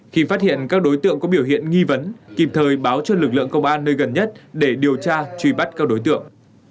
khi phát hiện các đối tượng có biểu hiện nghi vấn kịp thời báo cho lực lượng công an nơi gần nhất để điều tra truy bắt các đối tượng